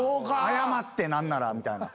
謝って何ならみたいな。